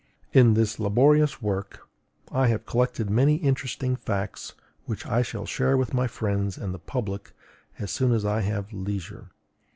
In this laborious work, I have collected many interesting facts which I shall share with my friends and the public as soon as I have leisure.